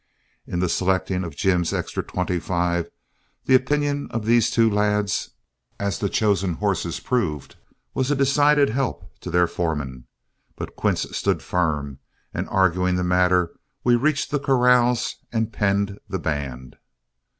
In the selecting of Jim's extra twenty five, the opinion of these two lads, as the chosen horses proved, was a decided help to their foreman. But Quince stood firm, and arguing the matter, we reached the corrals and penned the band.